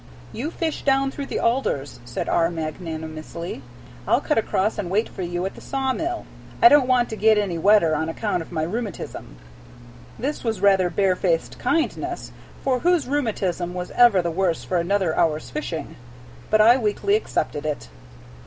"You fish down through the alders," said R. magnanimously. "I 'll cut across and wait for you at the sawmill. I don't want to get any wetter, on account of my rheumatism." This was rather barefaced kindness, for whose rheumatism was ever the worse for another hour's fishing? But I weakly accepted it.